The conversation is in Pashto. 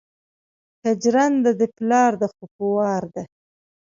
که جرنده دې د پلار ده خو په وار ده